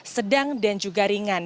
sedang dan juga ringan